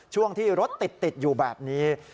ช่วงที่รถติดอยู่แบบนี้